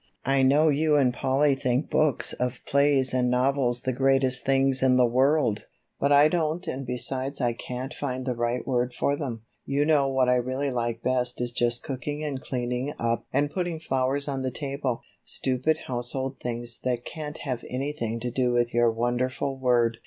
I know you and Polly think books of plays and novels the greatest things in the world, but I don't and besides I can't find the right word for them. You know what I really like best is just cooking and cleaning up and putting flowers on the table, stupid household things that can't have anything to do with your wonderful word."